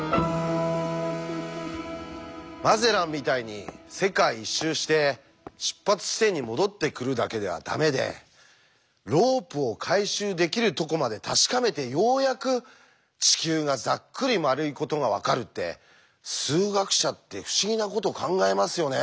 マゼランみたいに世界一周して出発地点に戻ってくるだけではダメでロープを回収できるとこまで確かめてようやく地球がざっくり丸いことが分かるって数学者って不思議なこと考えますよね。